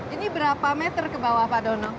ini berapa meter ke bawah pak dono